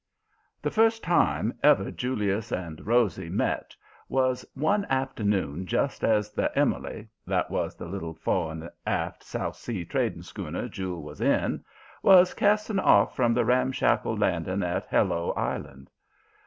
"The first time ever Julius and Rosy met was one afternoon just as the Emily that was the little fore and aft South Sea trading schooner Jule was in was casting off from the ramshackle landing at Hello Island.